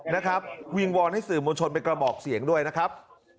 วิงวอนให้สื่อมวลชนไปกระบอกเสียงด้วยนะครับ